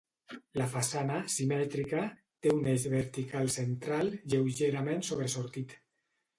La façana, simètrica, té un eix vertical central, lleugerament sobresortit.